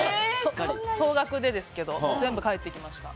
総額でですけど全部、返ってきました。